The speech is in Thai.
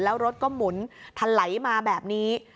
แล้วรถก็หมุนทะไหลมาแบบนี้